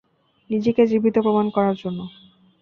নিজেকে জীবিত প্রমাণ করার জন্য।